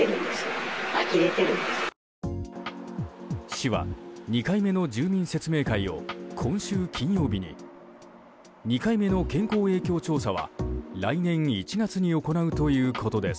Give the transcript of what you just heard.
市は２回目の住民説明会を今週金曜日に２回目の健康影響調査は来年１月に行うということです。